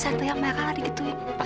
satria marah lagi gitu ya